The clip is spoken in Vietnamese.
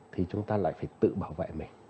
thì chúng ta lại phải tự bảo vệ mình